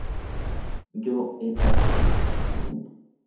yo he partido